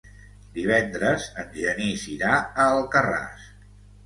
Divendres en Genís irà a Alcarràs.